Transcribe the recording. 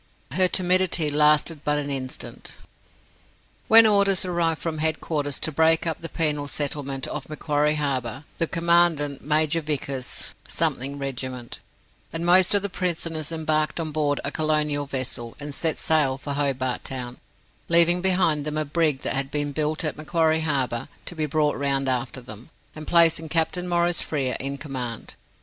Her timidity lasted but an instant. "When orders arrived from head quarters to break up the penal settlement of Macquarie Harbour, the Commandant (Major Vickers, th Regiment) and most of the prisoners embarked on board a colonial vessel, and set sail for Hobart Town, leaving behind them a brig that had been built at Macquarie Harbour, to be brought round after them, and placing Captain Maurice Frere in command.